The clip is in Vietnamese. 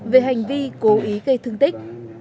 về hành vi cố ý gây thương tích